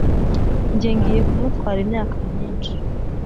'njye ngiye kumutwara imyaka myinshi